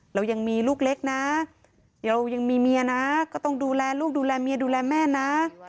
เรายังมีลูกเล็กนะเรายังมีเมียนะก็ต้องดูแลลูกดูแลเมียดูแลแม่นะ